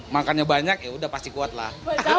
makannya banyak ya udah pasti kuat lah